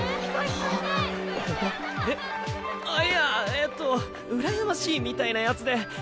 あっいやえっと羨ましいみたいなやつで。